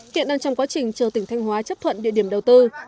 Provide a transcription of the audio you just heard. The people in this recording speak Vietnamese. hiện đang trong quá trình chờ tỉnh thanh hóa chấp thuận địa điểm đầu tư